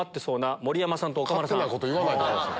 勝手なこと言わないでください。